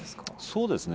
そうですね。